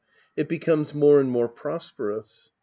It becomes more and more prosperous.